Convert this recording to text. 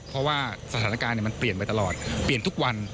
เพราะว่าสถานการณ์มันเปลี่ยนไปตลอดเปลี่ยนทุกวัน